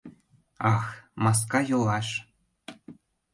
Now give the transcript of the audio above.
Ах, маска йолаш!